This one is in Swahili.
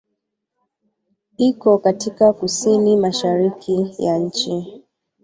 Iko katika kusini-mashariki ya nchi.